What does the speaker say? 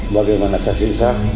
bagaimana kasih insaf